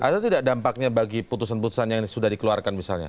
ada tidak dampaknya bagi putusan putusan yang sudah dikeluarkan misalnya